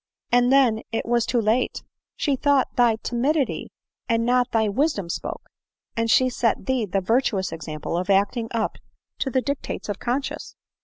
And then it was too late ; she thought thy timidity and not thy wisdom spoke, and she set thee the virtuous example of acting up to the dictates of conscience.